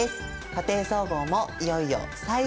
「家庭総合」もいよいよ最終回です！